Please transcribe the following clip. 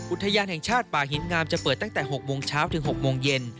อุทยานแห่งชาติป่าหินงามจะเปิดตั้งแต่๖โมงเช้าถึง๖โมงเย็น